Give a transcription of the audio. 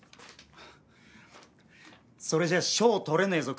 それじゃ賞取れねえぞ。